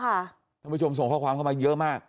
ท่านผู้ชมส่งข้อความเข้ามาเยอะมาก